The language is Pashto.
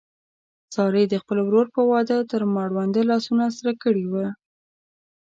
سارې د خپل ورور په واده تر مړونده لاسونه سره کړي و.